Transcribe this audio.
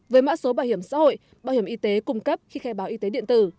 với mã số bảo hiểm xã hội bảo hiểm y tế cung cấp khi khai báo y tế điện tử